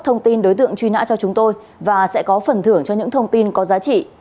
thông tin đối tượng truy nã cho chúng tôi và sẽ có phần thưởng cho những thông tin có giá trị